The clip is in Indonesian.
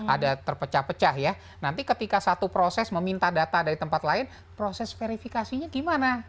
ada terpecah pecah ya nanti ketika satu proses meminta data dari tempat lain proses verifikasinya gimana